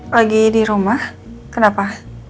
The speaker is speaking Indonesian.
lagi di rumah kenapa